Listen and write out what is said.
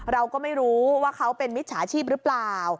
เราก็ไม่รู้ว่าเขาเป็นมิจฉาชีพหรือเปล่า